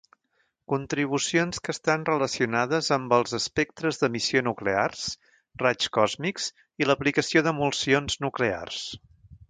Contribucions que estan relacionades amb els espectres d'emissió nuclears, raigs còsmics, i l'aplicació d'emulsions nuclears.